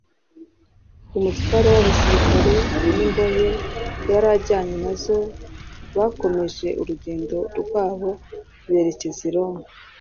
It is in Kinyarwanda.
umutware w’abasirikare n’imbohe yari ajyanye nazo bakomeje urugendo rwabo berekeza i Roma